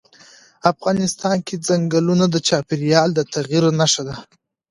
افغانستان کې ځنګلونه د چاپېریال د تغیر نښه ده.